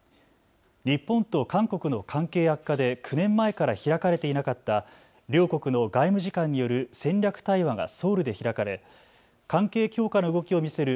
日本と韓国の関係悪化で９年前から開かれていなかった両国の外務次官による戦略対話がソウルで開かれ関係強化の動きを見せる